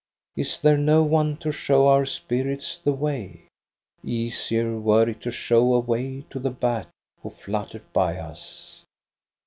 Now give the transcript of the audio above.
Is there no one to show our spirits the way ? Easier were it to show a way to the bat who fluttered by us.